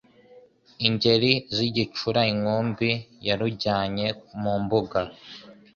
Ingeri zigicura inkumbi Yarujyanye mu mbuga